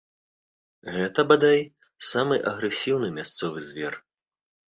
Гэта, бадай, самы агрэсіўны мясцовы звер.